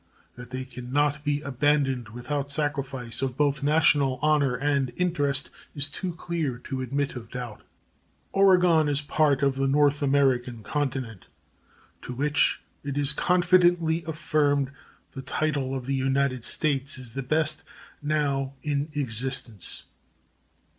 That they can not be abandoned without a sacrifice of both national honor and interest is too clear to admit of doubt. Oregon is a part of the North American continent, to which, it is confidently affirmed, the title of the United States is the best now in existence.